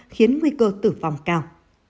khiến nguy cơ tử vong cao